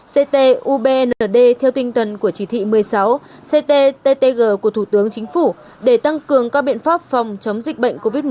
ct ubnd theo tinh tần của chỉ thị một mươi sáu ct ttg của thủ tướng chính phủ để tăng cường các biện pháp phòng chống dịch bệnh covid một mươi chín